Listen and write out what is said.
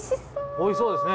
おいしそうですね。